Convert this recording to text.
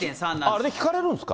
あれ、引かれるんですか？